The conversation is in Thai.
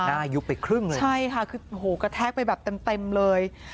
อายุเป็นครึ่งเลยใช่ค่ะโอ้โฮกระแทกไปแบบเต็มเลย